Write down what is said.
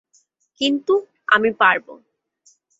কিন্তু আমি পারব।